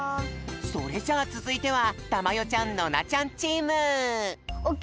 それじゃあつづいてはたまよちゃんノナちゃんチーム。